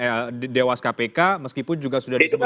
meskipun sudah ada putusan dewas kpk meskipun juga sudah disebutkan